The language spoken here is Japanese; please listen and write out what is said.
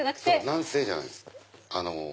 男性じゃないです。